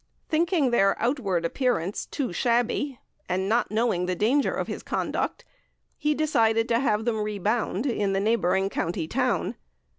Thinking their outward appearance too shabby, and not knowing the danger of his conduct, he decided to have them rebound in the neighbouring county town.